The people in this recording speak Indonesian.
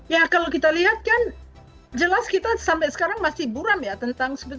ya kalau kita lihat kan jelas kita sampai sekarang masih buram ya